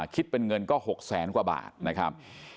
คิดเป็นเงินก็๖แสนกว่าบาทนะครับ